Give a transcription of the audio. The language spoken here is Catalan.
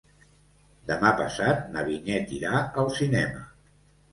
Demà passat na Vinyet irà al cinema.